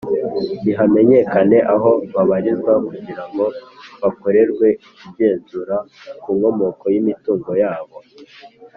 Nti hamenyekane aho babarizwa kugirango bakorerwe igenzura ku nkomoko y imitungo yabo